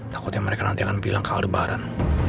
takutnya mereka nanti akan bilang ke aldebaran